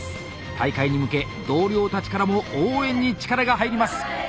大会に向け同僚たちからも応援に力が入ります。